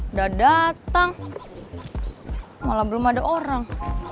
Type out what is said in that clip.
udah datang malah belum ada orang